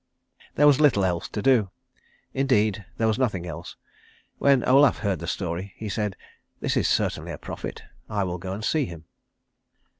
There was little else to do, indeed, there was nothing else. When Olaf heard the story, he said, "This is certainly a prophet. I will go to see him."